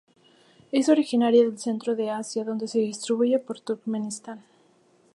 Es originaria del centro de Asia donde se distribuye por Turkmenistán.